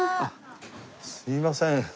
すいません。